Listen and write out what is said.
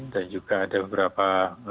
dan juga ada beberapa